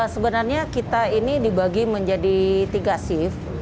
sebenarnya kita ini dibagi menjadi tiga shift